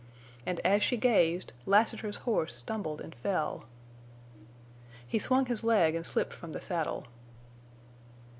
And, as she gazed, Lassiter's horse stumbled and fell. He swung his leg and slipped from the saddle.